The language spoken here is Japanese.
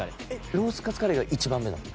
ロースカツカレーが１番目なの？